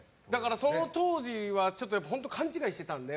その当時は勘違いしてたんで。